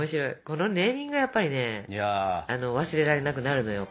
このネーミングがやっぱりね忘れられなくなるのよ。